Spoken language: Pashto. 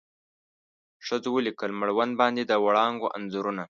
ښځو ولیکل مړوند باندې د وړانګو انځورونه